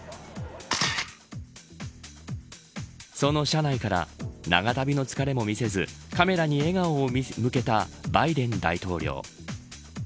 その車内から長旅の疲れも見せずカメラに笑顔を向けたバイデン大統領。